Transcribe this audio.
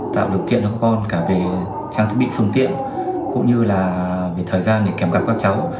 tạo được kiện cho con cả về trang thức bị phương tiện cũng như là về thời gian để kèm gặp các cháu